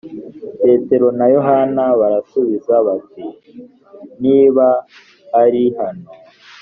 petero na yohana barabasubiza bati niba ari hano